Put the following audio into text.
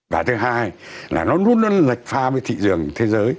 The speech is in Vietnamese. và thứ hai là nó luôn luôn lệch lệch pha với thị trường thế giới